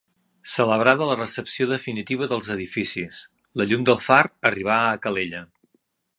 Celebrada la recepció definitiva dels edificis, la llum del far arribà a Calella.